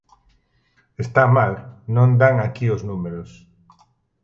Está mal, non dan aquí os números.